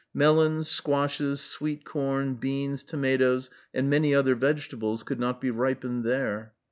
Melons, squashes, sweet corn, beans, tomatoes, and many other vegetables, could not be ripened there.